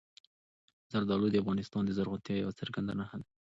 زردالو د افغانستان د زرغونتیا یوه څرګنده نښه ده.